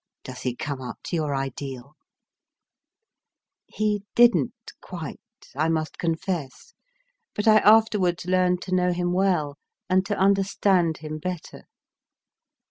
Does he come up to your ideal ? He didn t quite, I must confess, but I afterwards learned to know him well and to understand him better.